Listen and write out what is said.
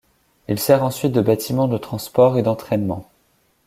Il sert ensuite de bâtiment de transport et d'entraînement.